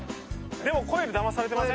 でもコエルだまされてません？